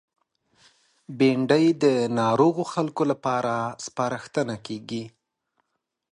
بېنډۍ د ناروغو خلکو لپاره سپارښتنه کېږي